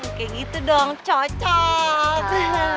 oke gitu dong cocok